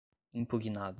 impugnado